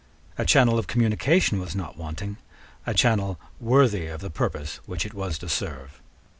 A channel of communication was not wanting, a channel worthy of the purpose which it was to serve.